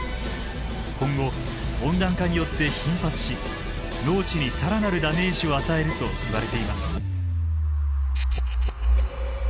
今後温暖化によって頻発し農地に更なるダメージを与えるといわれています。